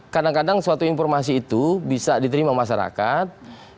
kadang kadang suatu informasi itu bisa diterima masyarakat